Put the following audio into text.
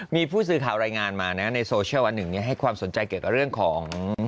มีผู้สื่อข่าวรายงานมานะในโซเชียลอันหนึ่งให้ความสนใจเกี่ยวกับเรื่องของ